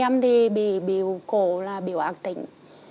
em thì bị biểu cổ là biểu ác tính